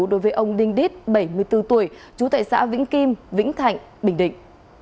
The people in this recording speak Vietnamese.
đối với ông đinh đít bảy mươi bốn tuổi chú tại xã vĩnh kim vĩnh thạnh bình định